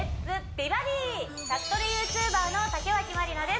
美バディ」宅トレＹｏｕＴｕｂｅｒの竹脇まりなです